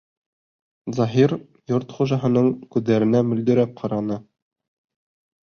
Заһир йорт хужаһының күҙҙәренә мөлдөрәп ҡараны.